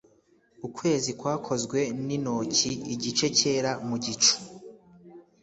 ukwezi kwakozwe n'intoki igice cyera mu gicu,